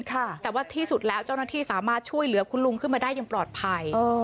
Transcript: แต่ว่าที่สุดแล้วเจ้าหน้าที่สามารถช่วยเหลือคุณลุงขึ้นมาได้อย่างปลอดภัย